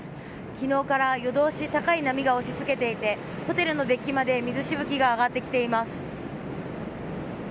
昨日から夜通し高い波が押し付けていてホテルのデッキまで水しぶきが上がってきています。